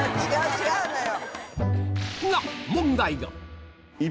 違うのよ！